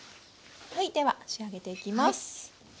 はいでは仕上げていきます。